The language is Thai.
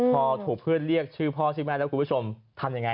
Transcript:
พอถูกเพื่อนเรียกชื่อพ่อชื่อแม่แล้วคุณผู้ชมทำยังไง